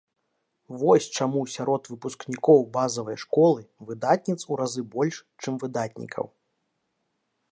Вось чаму сярод выпускнікоў базавай школы выдатніц у разы больш, чым выдатнікаў.